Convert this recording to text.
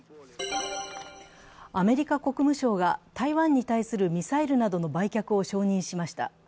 アメリカ国務省が台湾に対するミサイルなどの売却を承認しました。